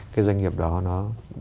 cái doanh nghiệp đó nó